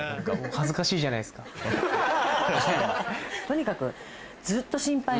とにかく。